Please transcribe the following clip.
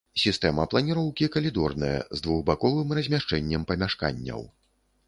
Сістэма планіроўкі калідорная, з двухбаковым размяшчэннем памяшканняў.